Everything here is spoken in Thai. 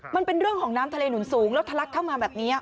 มันเป็นเรื่องของน้ำทะเลหนุนสูงแล้วทะลักเข้ามาแบบนี้